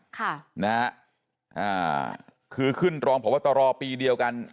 ค่ะนะฮะอ่าคือขึ้นรองพบตรปีเดียวกัน